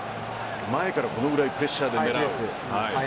前からこれぐらいプレッシャーにいく。